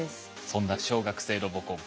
そんな小学生ロボコン